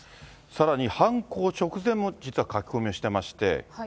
さらに犯行直前も、実は書き込みをしてまして。